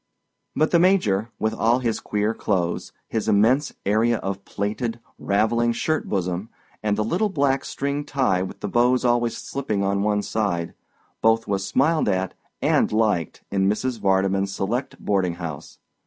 But the Major, with all his queer clothes, his immense area of plaited, raveling shirt bosom, and the little black string tie with the bow always slipping on one side, both was smiled at and liked in Mrs. Vardeman's select boarding house.